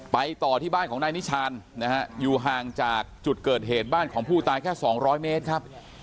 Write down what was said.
ต่อที่บ้านของนายนิชานนะฮะอยู่ห่างจากจุดเกิดเหตุบ้านของผู้ตายแค่๒๐๐เมตรครับ